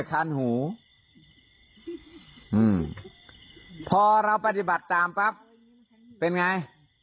คันหูอืมพอเราปฏิบัติตามปั๊บเป็นไง